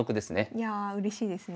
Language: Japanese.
いやあうれしいですね。